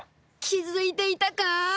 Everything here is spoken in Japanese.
気づいていたか！